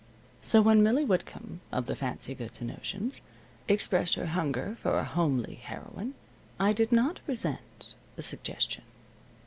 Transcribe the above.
So when Millie Whitcomb, of the fancy goods and notions, expressed her hunger for a homely heroine, I did not resent the suggestion.